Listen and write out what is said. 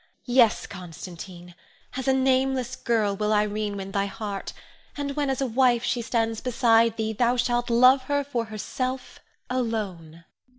Yes, Constantine, as a nameless girl will Irene win thy heart; and when as a wife she stands beside thee, thou shalt love her for herself alone.